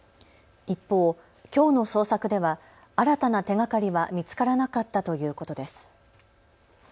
一方、きょうの捜索では新たな手がかりは見つからなかったということです。